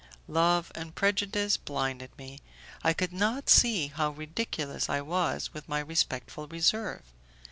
Love and prejudice blinded me, I could not see how ridiculous I was with my respectful reserve.